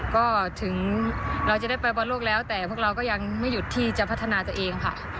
ก็ถึงเราจะได้ไปบอลโลกแล้วแต่พวกเราก็ยังไม่หยุดที่จะพัฒนาตัวเองค่ะ